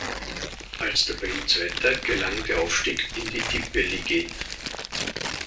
Als Tabellenzweiter gelang der Aufstieg in die Tippeligaen.